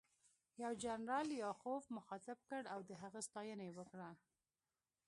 یو جنرال لیاخوف مخاطب کړ او د هغه ستاینه یې وکړه